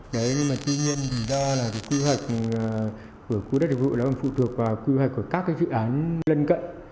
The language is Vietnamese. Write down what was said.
đấy nhưng mà tuy nhiên thì ra là cái quy hoạch của quốc đất dụng ẩm phục thuộc vào quy hoạch của các cái dự án lân cận